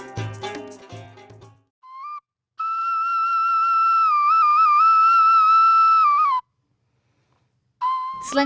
yang terakhir adalah desa kemujan